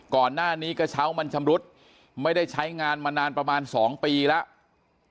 ก่อนหน้านี้กระเช้ามันชำรุดไม่ได้ใช้งานมานานประมาณ๒ปีแล้ว